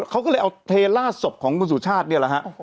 เขาก็เลยเอาเทล่าศพของคุณสุชาติเนี่ยแหละฮะ